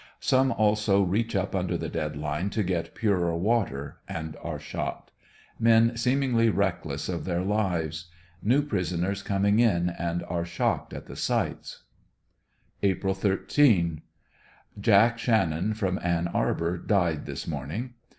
Some also reach up under the dead line to get purer water, and are shot Men seemingly reckless of their lives New prisoners coming in and are shocked at the sights. April 13. — Jack Shannon, from Ann Arbor, died this morning.